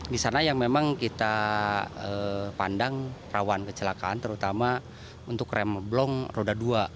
di sana yang memang kita pandang rawan kecelakaan terutama untuk rem blong roda dua